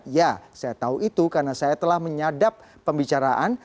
ya saya tahu itu karena saya telah menyadap pembicaraan